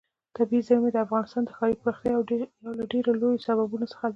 طبیعي زیرمې د افغانستان د ښاري پراختیا یو له ډېرو لویو سببونو څخه ده.